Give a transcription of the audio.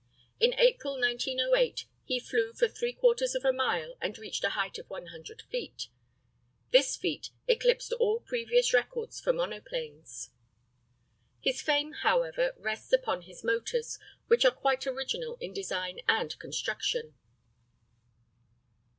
In April, 1908, he flew for ¾ of a mile, and reached a height of 100 feet. This feat eclipsed all previous records for monoplanes. His fame, however, rests upon his motors, which are quite original in design and construction.